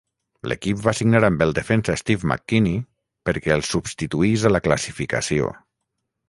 L'equip va signar amb el defensa Steve McKinney perquè el substituís a la classificació.